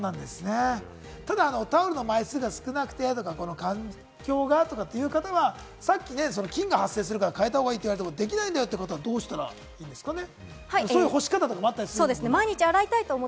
タオルの枚数が少なくてとか、環境がっていう方はさっき、菌が発生するから替えたほうがいいって言われても、できないって方はどうしたらいいんですかね？